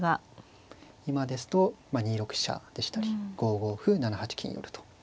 今ですと２六飛車でしたり５五歩７八金寄と。